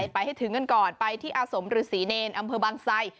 ไปให้ถึงกันก่อนไปที่อาสมฤษีเนรอำเภอบางไซ